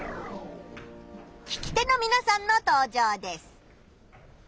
聞き手のみなさんの登場です。